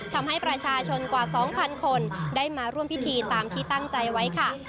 ทำให้ประชาชนกว่า๒๐๐คนได้มาร่วมพิธีตามที่ตั้งใจไว้ค่ะ